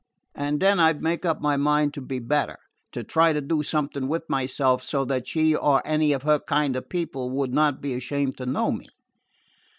And then I 'd make up my mind to be better, to try and do something with myself so that she or any of her kind of people would not be ashamed to know me.